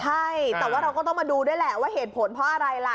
ใช่แต่ว่าเราก็ต้องมาดูด้วยแหละว่าเหตุผลเพราะอะไรล่ะ